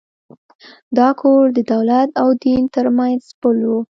دا کور د دولت او دین تر منځ پُل و.